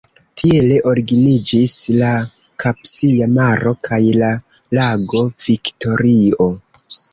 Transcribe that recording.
Tiele originiĝis la Kaspia Maro kaj la lago Viktorio.